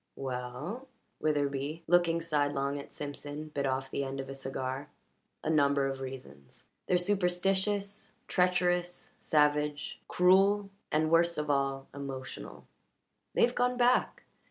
"We ell" Witherbee, looking sidelong at Simpson, bit off the end of a cigar "a number of reasons. They're superstitious, treacherous, savage, cruel, and worst of all emotional. They've gone back.